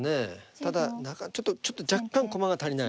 ただ何かちょっと若干駒が足りない。